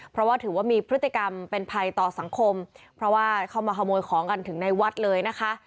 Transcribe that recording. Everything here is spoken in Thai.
เพราะว่าถือว่ามีพฤติกรรมเป็นภัยต่อสังคมเพราะว่าเข้ามาขโมยของกันถึงในวัดเลยนะคะ